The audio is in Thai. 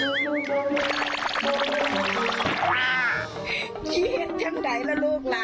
เชียดจังใดแล้วลูกน่ะ